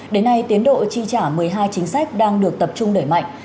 đến nay tiến độ chi trả một mươi hai chính sách đang được tập trung đẩy mạnh